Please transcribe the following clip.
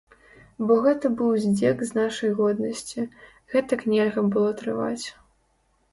Бо гэта быў здзек з нашай годнасці, гэтага нельга было трываць.